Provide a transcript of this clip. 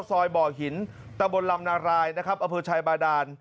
ซอยบ่อยหินตะบนลำนารายอชัยบาดาร